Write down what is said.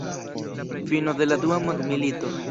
Fino de la Dua mondmilito.